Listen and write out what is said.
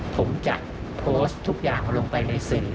ผมจะโพสต์ทุกอย่างลงไปในสื่อ